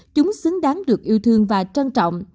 chúng xứng đáng được yêu thương và trân trọng